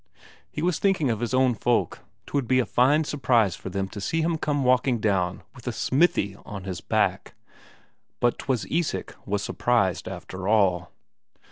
He was thinking of his own folk; 'twould be a fine surprise for them to see him come walking down with a smithy on his back. But 'twas Isak was surprised after all.